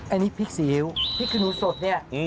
อันนี้พริกสียูพริกขนูสดนี่